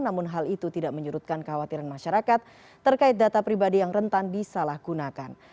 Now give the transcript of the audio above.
namun hal itu tidak menyurutkan kekhawatiran masyarakat terkait data pribadi yang rentan disalahgunakan